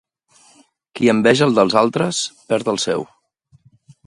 Qui enveja el dels altres, perd el seu.